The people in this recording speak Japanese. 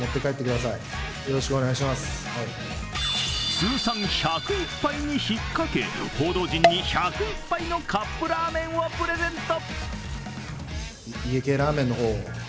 通算１０１敗に引っかけ報道陣に１０１杯のカップラーメンをプレゼント。